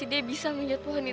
aku gak bisa jadi apa apa